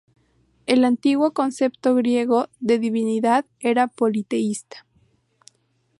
El antiguo concepto griego de divinidad era politeísta.